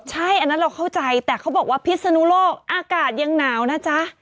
ใช่อันนั้นเราเข้าใจแต่เขาบอกว่าพิศนุโลกอากาศยังหนาวนะจ๊ะ